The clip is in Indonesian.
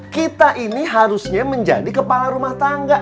kita ini harusnya menjadi kepala rumah tangga